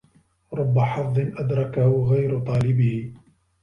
رُبَّ حَظٍّ أَدْرَكَهُ غَيْرُ طَالِبِهِ